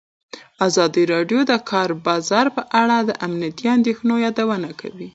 ازادي راډیو د د کار بازار په اړه د امنیتي اندېښنو یادونه کړې.